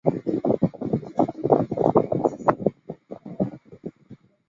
蔚山文化广播的放送局。